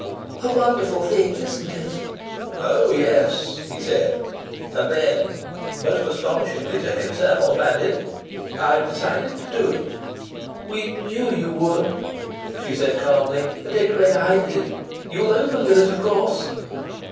"A wonderful thing, isn't it?" "Oh, yes," he said. And then most astonishingly to himself added: "I've decided to do it." "We knew you would," she said calmly. "At any rate I did.... You'll open with it, of course."